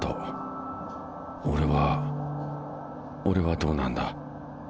俺はどうなんだ？